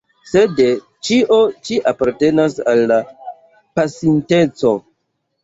Sed ĉio ĉi apartenas al la pasinteco.